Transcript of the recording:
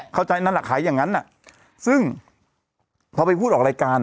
เข้าใจนั่นแหละขายอย่างนั้นซึ่งพอไปพูดออกรายการ